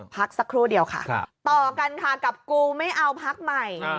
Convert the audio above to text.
พักสักครู่เดียวค่ะต่อกันค่ะกับกูไม่เอาพักใหม่